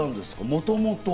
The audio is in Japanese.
もともと。